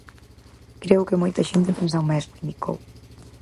"Creo que moita xente pensa o mesmo", indicou.